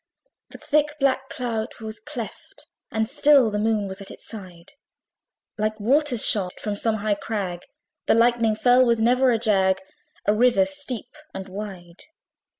The thick black cloud was cleft, and still The Moon was at its side: Like waters shot from some high crag, The lightning fell with never a jag, A river steep and wide.